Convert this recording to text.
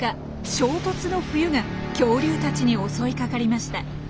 「衝突の冬」が恐竜たちに襲いかかりました。